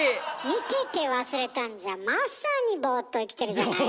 見てて忘れたんじゃまさにボーっと生きてるじゃないの。